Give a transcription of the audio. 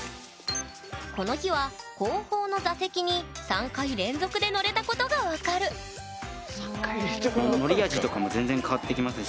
この日は後方の座席に３回連続で乗れたことが分かる３回連続で乗ったんすか？